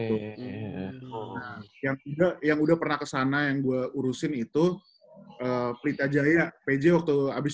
nah yang udah yang udah pernah kesana yang gua urusin itu prita jaya pj waktu abis